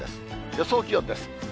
予想気温です。